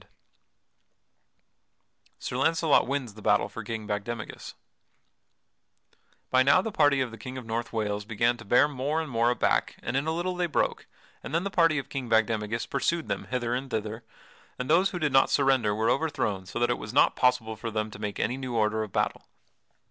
[Sidenote: Sir Launcelot wins the battle for King Bagdemagus] By now the party of the King of North Wales began to bear more and more aback and in a little they broke, and then the party of King Bagdemagus pursued them hither and thither, and those who did not surrender were overthrown so that it was not possible for them to make any new order of battle.